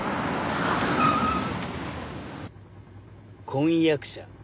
婚約者？